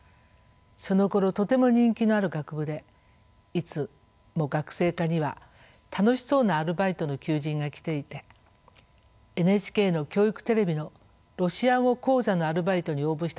そのころとても人気のある学部でいつも学生課には楽しそうなアルバイトの求人が来ていてＮＨＫの教育テレビの「ロシア語講座」のアルバイトに応募したこともありました。